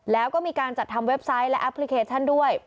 แล้วก็มีการจัดทำเว็บไซต์และแอปพลิเคชันด้วย